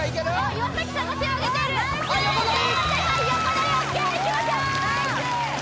岩さんが手をあげているはい横取り横取りＯＫいきましょう